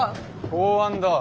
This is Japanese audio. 公安だ。